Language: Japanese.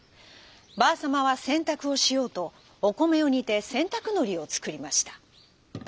ばあさまはせんたくをしようとおこめをにてせんたくのりをつくりました。